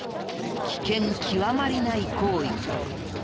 危険極まりない行為。